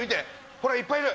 ほらいっぱいいる！